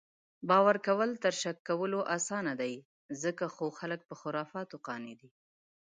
باؤر کؤل تر شک کؤلو اسانه دي، ځکه خو خلک پۀ خُرفاتو قانع دي